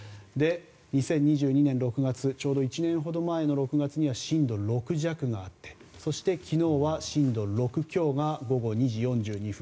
２０２２年６月ちょうど１年ほど前の６月には震度６弱があってそして、昨日は震度６強が午後２時４２分。